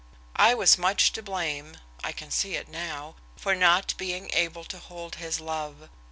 "I was much to blame I can see it now, for not being able to hold his love.